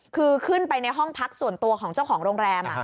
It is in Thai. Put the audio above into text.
คือขึ้นไปในห้องพักส่วนตัวของเจ้าของโรงแรม